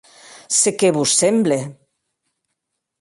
Se qué vos semble?